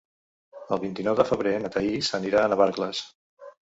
El vint-i-nou de febrer na Thaís anirà a Navarcles.